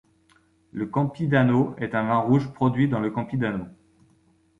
Le campidano est un vin rouge produit dans le Campidano.